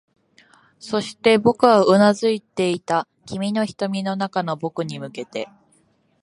そして、僕はうなずいていた、君の瞳の中の僕に向けて